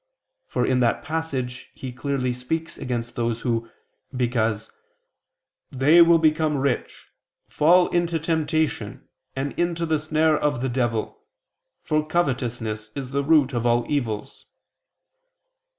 For in that passage he clearly speaks against those who, because they "will become rich, fall into temptation, and into the snare of the devil ... for covetousness is the root of all evils."